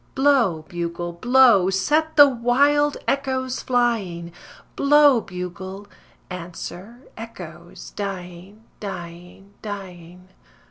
Blow, bugle, blow, set the wild echoes flying, Blow, bugle; answer, echoes, dying, dying, dying.